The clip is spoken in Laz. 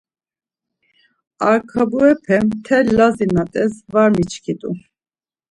Arkaburepe mtel Lazi na t̆es var miçkit̆u.